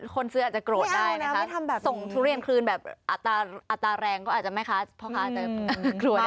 คนซื้ออาจจะโกรธได้นะคะส่งทุเรียนคืนแบบอัตราแรงก็อาจจะแม่ค้าพ่อค้าจะกลัวได้